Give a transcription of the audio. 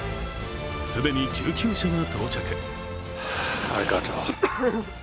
既に救急車が到着。